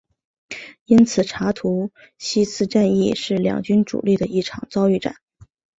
因此查图西茨战役是两军主力的一场遭遇战。